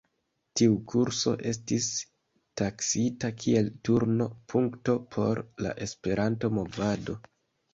Tiu kurso estis taksita kiel turno-punkto por la Esperanto-movado.